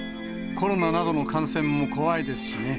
コロナなどの感染も怖いですしね。